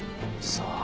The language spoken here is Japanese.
さあ。